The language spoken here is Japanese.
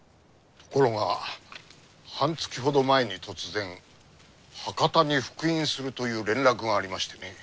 ところが半月ほど前に突然博多に復員するという連絡がありましてね。